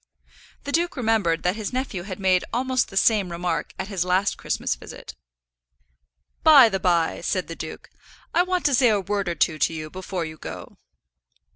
The duke remembered that his nephew had made almost the same remark at his last Christmas visit. "By the by," said the duke, "I want to say a word or two to you before you go."